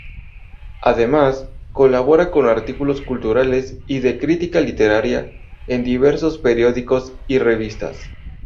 Además, colabora con artículos culturales y de crítica literaria en diversos periódicos y revistas.